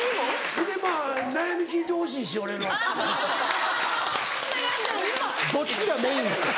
ほんでまぁ悩み聞いてほしいし俺の。どっちがメインですか。